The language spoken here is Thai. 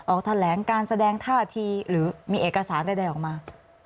ออกแถลงการแสดงท่าทีหรือมีเอกสารใดออกมา